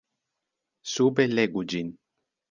Sube legu ĝin.